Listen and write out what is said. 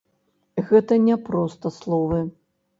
Гэта не проста словы.